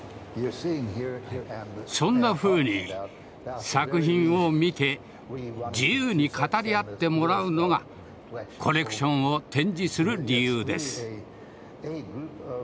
そんなふうに作品を見て自由に語り合ってもらうのがコレクションを展示する理由です。